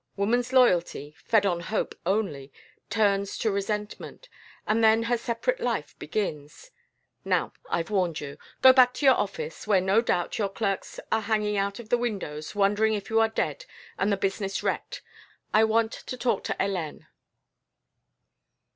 Woman's loyalty, fed on hope only, turns to resentment; and then her separate life begins. Now, I've warned you. Go back to your office, where, no doubt, your clerks are hanging out of the windows, wondering if you are dead and the business wrecked. I want to talk to Hélène."